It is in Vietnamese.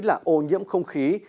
là ô nhiễm không khí